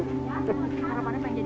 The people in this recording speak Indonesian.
orang mana pengen jadi orang sayang cucu